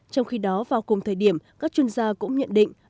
trong khi đó vào cùng thời điểm các chuyên gia cũng nhận định